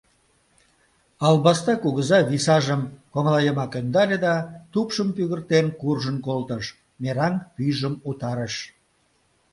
Албаста кугыза висажым коҥлайымак ӧндале да, тупшым пӱгыртен, куржын колтыш, мераҥ пӱйжым утарыш.